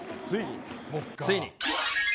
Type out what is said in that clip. ついに。